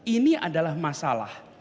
ini adalah masalah